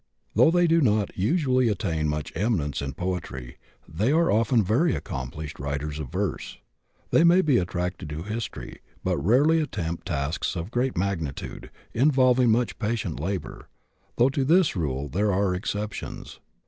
Though they do not usually attain much eminence in poetry, they are often very accomplished writers of verse. They may be attracted to history, but rarely attempt tasks of great magnitude, involving much patient labor, though to this rule there are exceptions.